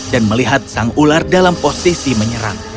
dan melihat sang ular dalam posisi menyerang